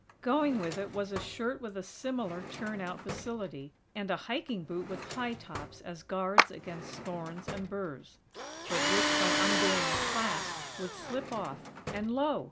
Going with it was a shirt with a similar "turn out" facility, and a hiking boot with high tops as guards against thorns and burs; but which, by undoing a clasp, would slip off; and, LO!!